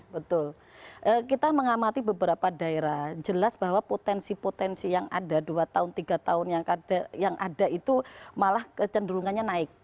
betul kita mengamati beberapa daerah jelas bahwa potensi potensi yang ada dua tahun tiga tahun yang ada itu malah kecenderungannya naik